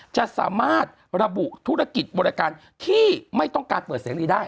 จะสามารถระบุธุรกิจบริการที่ไม่ต้องการเปิดเสรีได้